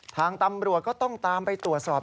ทางตำรวจก็ต้องตามไปตรวจสอบ